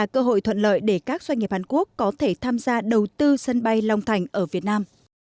cơ hội thuận lợi để các doanh nghiệp hàn quốc có thể tham gia đầu tư sân bay long thành ở việt nam